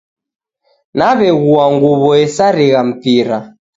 Naw'eghua nguw'o esarigha mpira.